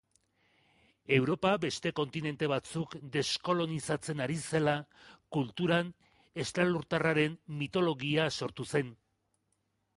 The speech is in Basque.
Europa beste kontinente batzuk deskolonizatzen ari zela, kulturan estralurtarraren mitologia sortu zen.